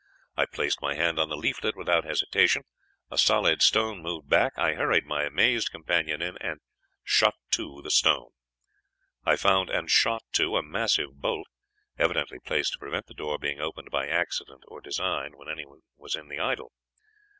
I placed my hand on the leaflet without hesitation, a solid stone moved back, I hurried my amazed companion in, and shut to the stone. I found, and shot to a massive bolt, evidently placed to prevent the door being opened by accident or design when anyone was in the idol.